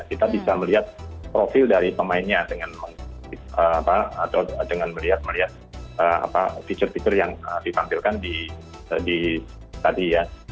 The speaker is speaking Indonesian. kita bisa melihat profil dari pemainnya dengan melihat melihat fitur fitur yang ditampilkan di tadi ya